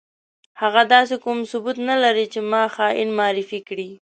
هغه داسې کوم ثبوت نه لري چې ما خاين معرفي کړي.